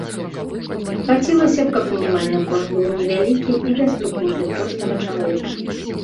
Хацелася б каб мінімальны кошт быў невялікі і даступны для простага чалавека.